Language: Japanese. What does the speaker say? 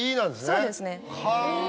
そうですね。